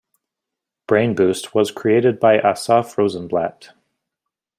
Brainboost was created by Assaf Rozenblatt.